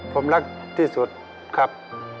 ผมรักที่สุดครับ